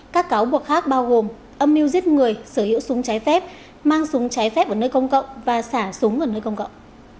các cáo buộc khác bao gồm âm mưu giết người sở hữu súng trái phép mang súng trái phép ở nơi công cộng và xả súng ở nơi công cộng